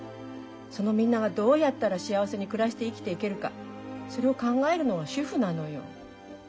そのみんながどうやったら幸せに暮らして生きていけるかそれを考えるのが主婦なのよ。